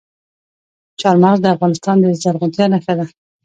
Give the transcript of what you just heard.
چار مغز د افغانستان د زرغونتیا نښه ده.